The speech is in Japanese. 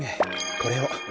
これを。